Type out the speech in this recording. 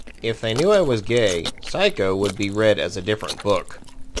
If they knew I was gay, "Psycho" would be read as a different book.